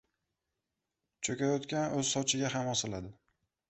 • Cho‘kayotgan o‘z sochiga ham osiladi.